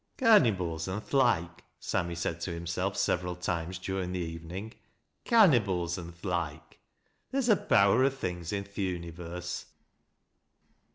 '' Cannybles an' th' loike," Sammy said to himself several times during the evening. " Cannybles an' th' Iciko Thcer's a power o' things i' th' universe."